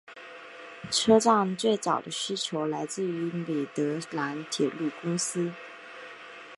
车站最早的需求来自米德兰铁路公司。